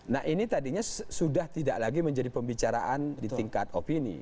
nah ini tadinya sudah tidak lagi menjadi pembicaraan di tingkat opini